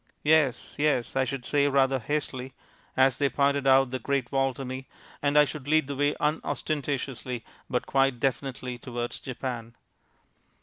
"Yes, yes," I should say rather hastily, as they pointed out the Great Wall to me, and I should lead the way unostentatiously but quite definitely towards Japan.